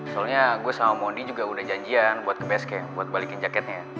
soalnya gue sama mondi juga udah janjian buat ke base camp buat balikin jaketnya